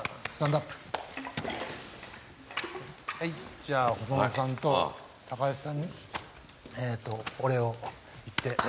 じゃあ細野さんと高橋さんにお礼を言って。